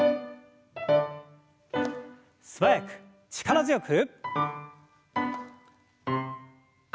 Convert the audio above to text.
素早く力強く。